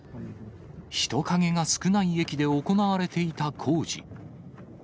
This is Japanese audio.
人影が少ない駅で行われていた工事。